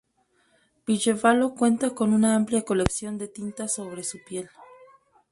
Ville valo cuenta con una amplia colección de tinta sobre su piel.